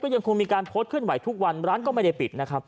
ก็ยังคงมีการโพสต์ขึ้นไหวทุกวันร้านก็ไม่ได้ปิด